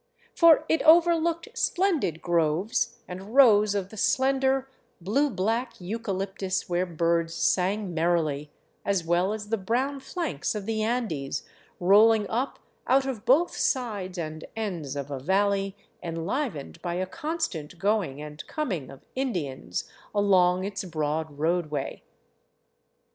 For it overlooked splendid groves and rows of the slender, blue black euca lyptus where birds sang merrily, as well as the brown flanks of the Andes rolling up out of both sides and ends of a valley enlivened by a constant going and coming of Indians along its broad roadway.